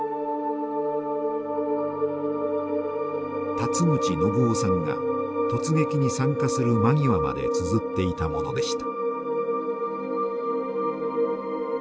辰口信夫さんが突撃に参加する間際までつづっていたものでした。